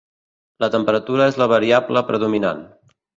La temperatura és la variable predominant.